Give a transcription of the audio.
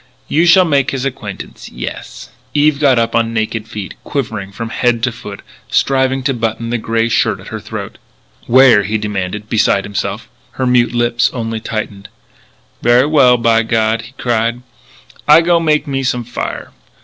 You shall make his acquaintance. Yes!" Eve got up on naked feet, quivering from head to foot, striving to button the grey shirt at her throat. "Where?" he demanded, beside himself. Her mute lips only tightened. "Ver' well, by God!" he cried. "I go make me some fire.